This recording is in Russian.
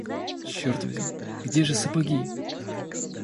Черт возьми! где же сапоги?